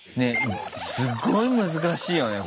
すごい難しいよね